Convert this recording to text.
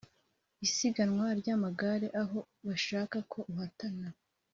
isiganwa ryamagare aho bashaka ko uhatana